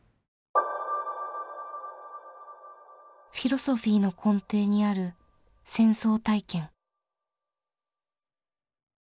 フィロソフィーの根底にある「戦争体験」。